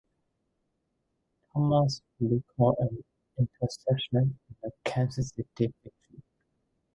Thomas recorded an interception in the Kansas City victory.